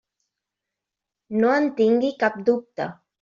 No en tingui cap dubte.